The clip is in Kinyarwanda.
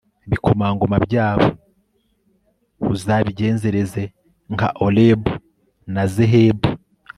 ibikomangoma byabo uzabigenzereze nka orebu na zehebu